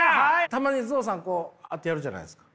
たまにゾウさんこうやってやるじゃないですか。